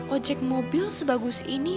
ojek mobil sebagus ini